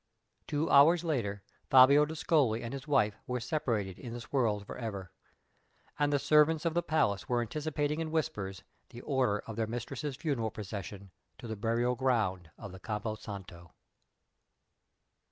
........ Two hours later, Fabio d'Ascoli and his wife were separated in this world forever; and the servants of the palace were anticipating in whispers the order of their mistress's funeral procession to the burial ground of the Campo Santo.